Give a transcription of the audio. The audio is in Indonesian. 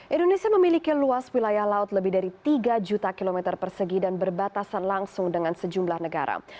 indonesia memiliki luas wilayah laut lebih dari tiga juta kilometer persegi dan berbatasan langsung dengan sejumlah negara